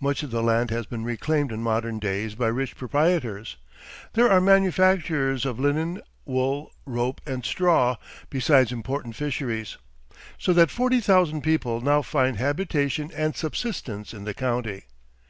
Much of the land has been reclaimed in modern days by rich proprietors. There are manufactures of linen, wool, rope, and straw, besides important fisheries; so that forty thousand people now find habitation and subsistence in the county.